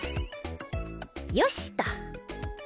よしっと。